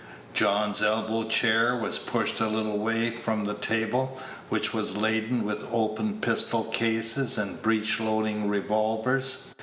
John's elbow chair was pushed a little way from the table, which was laden with open pistol cases and breech loading revolvers.